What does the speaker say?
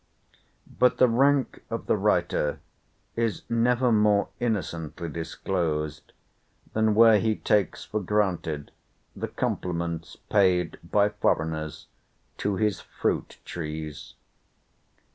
But the rank of the writer is never more innocently disclosed, than where he takes for granted the compliments paid by foreigners to his fruit trees.